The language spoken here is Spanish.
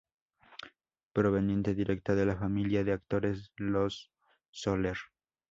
Proveniente directa de la familia de actores Los Soler.